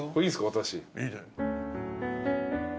私。